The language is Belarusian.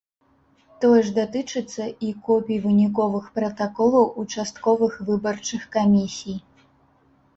Тое ж датычыцца і копій выніковых пратаколаў участковых выбарчых камісій.